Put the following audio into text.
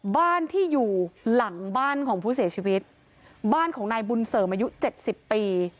บ้านที่อยู่หลังบ้านของผู้เสียชีวิตบ้านของนายบุญเสริมอายุเจ็ดสิบปี